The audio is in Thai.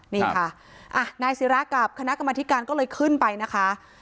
นี่ค่ะนายศิรากับคณะกรรมธิการก็เลยขึ้นไปนะคะ